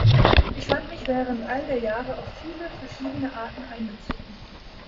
Ich fand mich während all der Jahre auf viele verschiedene Arten einbezogen.